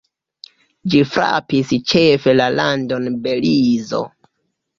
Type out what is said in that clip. Ĝi frapis ĉefe la landon Belizo.